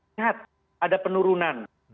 sehat ada penurunan